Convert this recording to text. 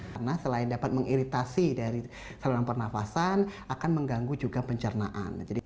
karena selain dapat mengiritasi dari saluran pernafasan akan mengganggu juga pencernaan